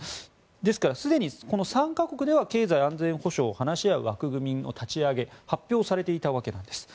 ですから、すでにこの３か国では経済安全保障を話し合う枠組みの立ち上げ発表されていたわけなんです。